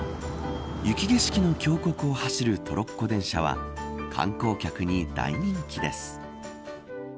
雪景色の峡谷を走るトロッコ電車は観光客に大人気です。